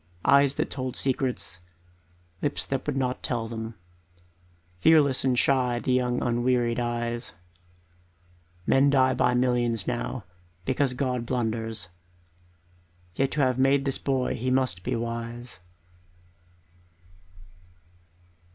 Eyes that told secrets, lips that would not tell them, Fearless and shy the young unwearied eyes Men die by millions now, because God blunders, Yet to have made this boy he must be wise.